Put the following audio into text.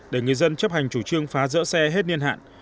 để người dân chấp hành chủ trương phá dỡ xe hết niên hạn